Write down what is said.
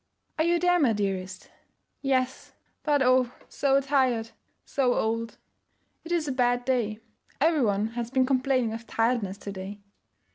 'Are you there, my dearest?' 'Yes, but oh, so tired, so old!' 'It is a bad day. Every one has been complaining of tiredness to day.'